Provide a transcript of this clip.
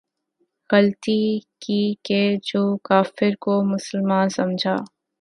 غلطی کی کہ جو کافر کو مسلماں سمجھا